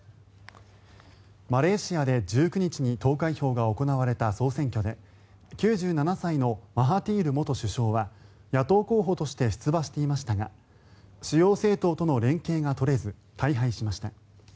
マレーシアで１９日に投開票が行われた総選挙で９７歳のマハティール元首相は野党候補として出馬していましたが主要政党との連携が取れず大敗しました。